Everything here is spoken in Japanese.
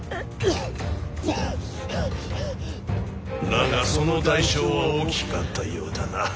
だがその代償は大きかったようだな。